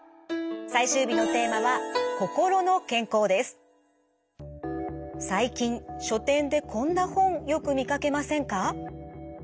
最終日のテーマは最近書店でこんな本よく見かけませんか？